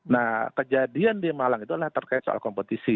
nah kejadian di malang itu adalah terkait soal kompetisi